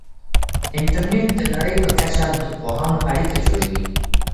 انټرنیټ د نړۍ په کچه د پوهانو اړیکه جوړوي.